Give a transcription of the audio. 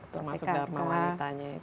termasuk garmel wanitanya itu